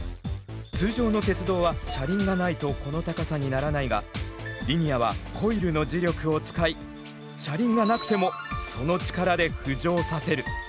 通常の鉄道は車輪がないとこの高さにならないがリニアはコイルの磁力を使い車輪がなくてもその力で浮上させる。